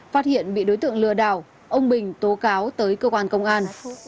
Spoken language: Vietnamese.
phát hiện bị đối tượng lừa đảo ông bình tố cáo tới cơ quan công an